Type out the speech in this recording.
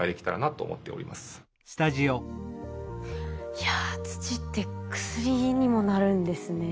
いや土って薬にもなるんですね。